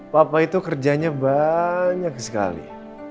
papa itu kerjanya banyak sekali